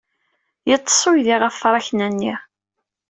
Yeḍḍes uydi ɣef tṛakna-nni.